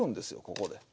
ここで。